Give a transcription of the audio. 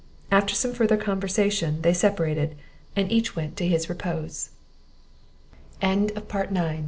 After some farther conversation they separated, and each went to his repose. The next morning th